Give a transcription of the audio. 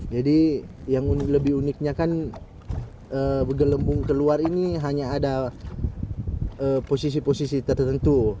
jadi yang lebih uniknya kan gelembung keluar ini hanya ada posisi posisi tertentu